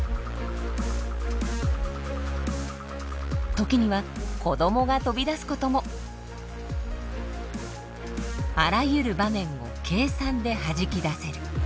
時には子供が飛び出すこともあらゆる場面を計算ではじき出せる。